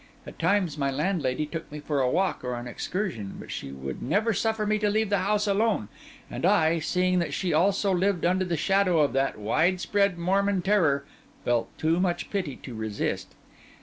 At times my landlady took me for a walk or an excursion, but she would never suffer me to leave the house alone; and I, seeing that she also lived under the shadow of that widespread Mormon terror, felt too much pity to resist.